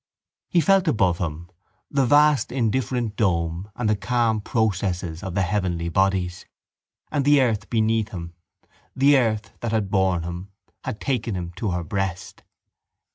He felt above him the vast indifferent dome and the calm processes of the heavenly bodies; and the earth beneath him, the earth that had borne him, had taken him to her breast.